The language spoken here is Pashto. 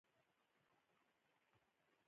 افغانستان کې ښتې د هنر په اثار کې منعکس کېږي.